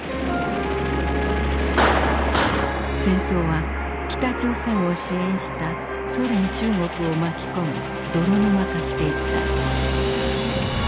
戦争は北朝鮮を支援したソ連中国を巻き込み泥沼化していった。